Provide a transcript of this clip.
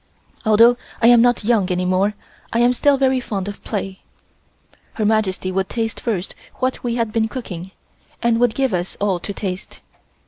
Although I am not young any more, I am still very fond of play." Her Majesty would taste first what we had been cooking, and would give us all to taste.